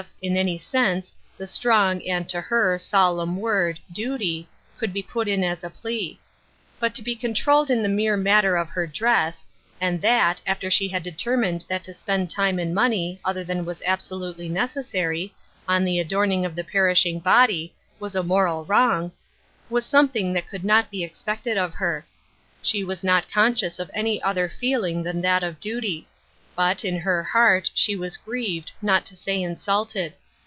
in any sense, the strong, and, to her, solemn word, " Duty," could be put in as a plea ; but to be con trolled in the mere matter of her dress — and that, after she had determined that to spend time and money, other than was absolutely necessary, on the adorning of the perishing body, was a moral wrong — was something that could not be expected of her. She was not conscious of any other feeling than that of duty ; but, in her heart, she was grieved, not to say insulted.